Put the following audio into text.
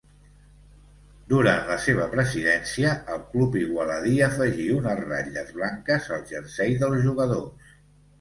Durant la seva presidència el club igualadí afegí unes ratlles blanques al jersei dels jugadors.